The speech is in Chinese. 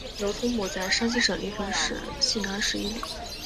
刘聪墓在山西省临汾市西南十一里。